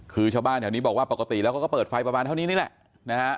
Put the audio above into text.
คือชาวบ้านแถวนี้บอกว่าปกติแล้วเขาก็เปิดไฟประมาณเท่านี้นี่แหละนะฮะ